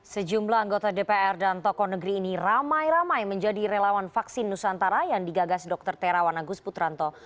sejumlah anggota dpr dan tokoh negeri ini ramai ramai menjadi relawan vaksin nusantara yang digagas dr terawan agus putranto